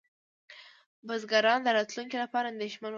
بزګران د راتلونکي لپاره اندېښمن وو.